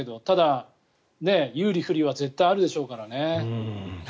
ただ、有利、不利は絶対あるでしょうからね。